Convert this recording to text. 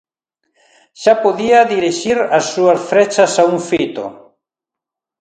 Xa podía dirixir as súas frechas a un fito.